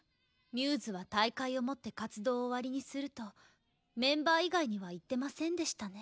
μ’ｓは大会をもって活動を終わりにするとメンバー以外には言ってませんでしたね。